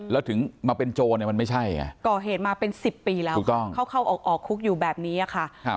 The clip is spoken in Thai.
แล้วถึงมาเป็นโจรเนี่ยมันไม่ใช่ไงก่อเหตุมาเป็น๑๐ปีแล้วถูกต้องเข้าออกคุกอยู่แบบนี้ค่ะ